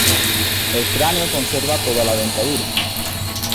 El cráneo conserva toda la dentadura.